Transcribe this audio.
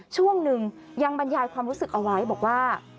ช่วงหนึ่งยังบรรยายความรู้สึกเอาไว้บอกว่า